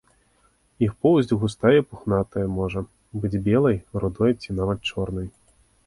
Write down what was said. Іх поўсць густая і пухнатая, можа быць белай, рудой ці нават чорнай.